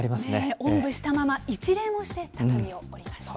おんぶしたまま、一礼もして畳を降りました。